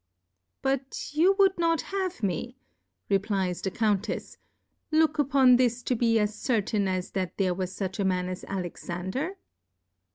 But you would not have me, replies the Countefs^ look upon this to be as certain as that there was fuch a Man as Jlexander'?